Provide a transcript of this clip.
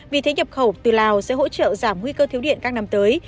vì thế nhập khẩu từ lào sẽ hỗ trợ giảm nguy cơ thiếu điện các năm tới